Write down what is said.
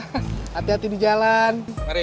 hati hati di jalan